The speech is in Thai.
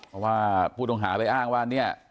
เพราะว่าผู้ต้องหาไปอ้างว่าเนี่ย